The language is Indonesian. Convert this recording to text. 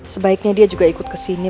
sebaiknya dia juga ikut kesini